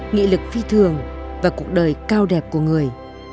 nghị lực phi thường và cuộc đời cao đẹp của người